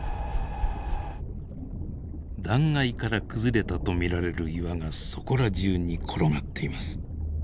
断崖から崩れたと見られる岩がそこら中に転がっています。